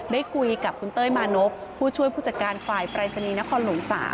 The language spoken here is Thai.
ได้คุยกับคุณเต้ยมานพผู้ช่วยผู้จัดการฝ่ายปรายศนีย์นครหลวง๓